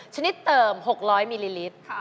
ชนิดเติม๖๐๐มิลลิลิตร